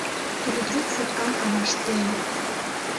Политрук суткам канаш пуэн.